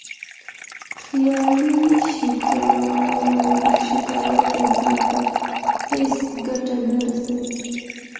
خیالي شکایت انسان ته هیڅ ګټه نه رسوي.